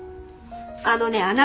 あのねあなた。